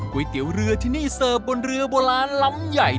ก๋วยเตี๋ยวเรือที่นี่สเติบบนเรือบนร้านล้ำไหญ